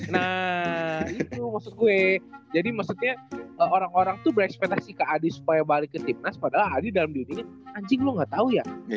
nah itu maksud gue jadi maksudnya orang orang tuh berekspetasi ke adi supaya balik ke timnas padahal adi dalam di dunia ini anjing lu gak tau ya